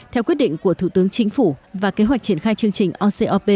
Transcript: theo quyết định của thủ tướng chính phủ và kế hoạch triển khai chương trình ocop